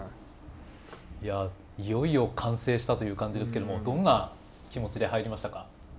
いやいよいよ完成したという感じですけどもどんな気持ちで入りましたか？